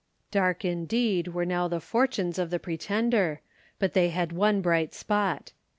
Dark indeed were now the fortunes of the Pretender, but they had one bright spot.